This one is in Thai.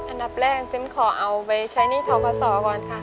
อันดับแรกซิมขอเอาไปใช้หนี้ทกศก่อนค่ะ